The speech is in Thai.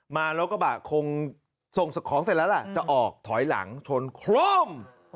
รถกระบะคงส่งของเสร็จแล้วล่ะจะออกถอยหลังชนโคร่ม